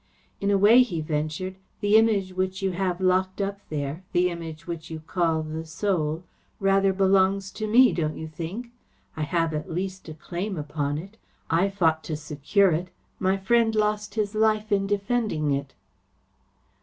"In a way," he ventured, "the Image which you have locked up there, the Image which you call the Soul, rather belongs to me, don't you think? I have, at least, a claim upon it. I fought to secure it. My friend lost his life in defending it."